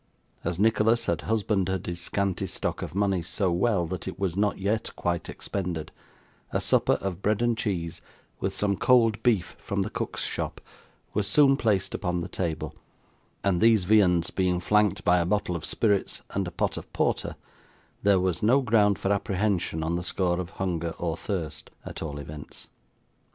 As Nicholas had husbanded his scanty stock of money, so well that it was not yet quite expended, a supper of bread and cheese, with some cold beef from the cook's shop, was soon placed upon the table; and these viands being flanked by a bottle of spirits and a pot of porter, there was no ground for apprehension on the score of hunger or thirst, at all events.